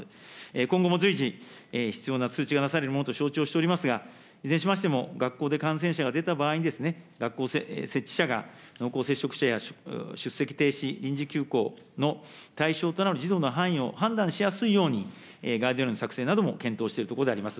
今後も随時、必要な通知がなされるものと承知をしておりますが、いずれにしましても、学校で感染者が出た場合にですね、学校設置者が濃厚接触者や出席停止、臨時休校の対象となる児童の範囲を判断しやすいように、ガイドライン作成なども検討しているところであります。